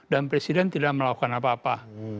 presiden tidak melakukan apa apa